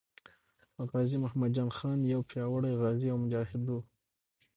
غازي محمد جان خان یو پیاوړی غازي او مجاهد وو.